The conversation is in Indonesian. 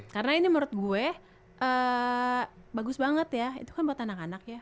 karena ini menurut gue bagus banget ya itu kan buat anak anak ya